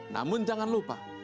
namun jangan lupa